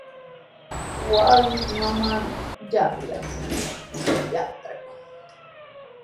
Wawqiiqa manami yapyayta yatranku.